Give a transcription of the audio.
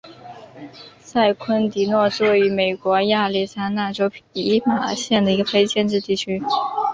塞昆迪诺是位于美国亚利桑那州皮马县的一个非建制地区。